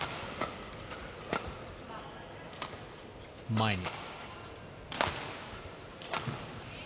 前に。